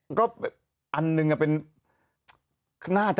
งั้นนึงอะ